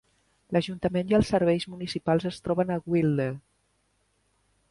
L'ajuntament i els serveis municipals es troben a Weelde.